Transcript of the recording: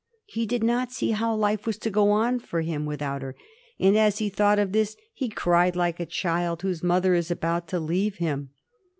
He did not see how life was to go on for him without her; and as he thought of this he cried like a child whose mother is about to leave him.